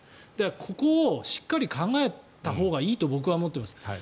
ここをしっかり考えたほうがいいと僕は思っています。